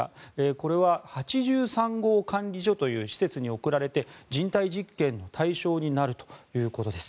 これは８３号管理所という施設に送られて人体実験の対象になるということです。